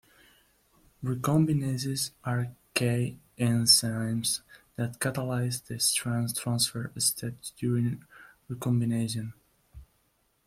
Recombinases are key enzymes that catalyse the strand transfer step during recombination.